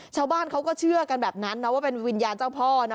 ชาวบ้านเขาก็เชื่อกันแบบนั้นนะว่าเป็นวิญญาณเจ้าพ่อนะ